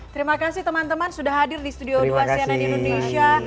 terima kasih teman teman sudah hadir di studio dua cnn indonesia